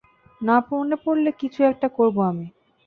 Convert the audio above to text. না মনে পড়লে কিছু একটা করবো আমি।